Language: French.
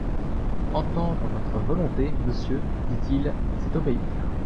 Entendre votre volonté, monsieur, dit-il, c'est obéir.